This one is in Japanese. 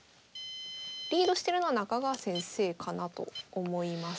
リードしてるのは中川先生かなと思います。